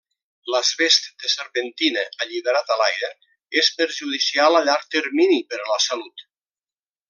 L'asbest de serpentina, alliberat a l'aire, és perjudicial a llarg termini per a la salut.